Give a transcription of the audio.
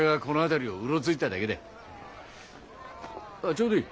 ちょうどいい。